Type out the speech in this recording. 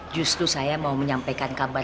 justru saya mau menyampaikan kabar